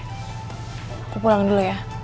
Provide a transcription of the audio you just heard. aku pulang dulu ya